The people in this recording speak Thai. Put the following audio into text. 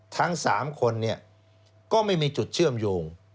ทั้ง๓คนก็ไม่มีจุดเชื่อมโยง